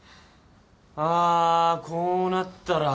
あこうなったら。